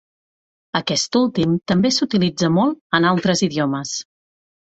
Aquest últim també s'utilitza molt en altres idiomes.